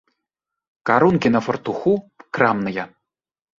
Карункі на фартуху крамныя.